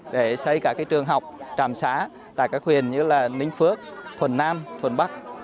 để xây cả trường học tràm xá tại các huyền như là ninh phước thuận nam thuận bắc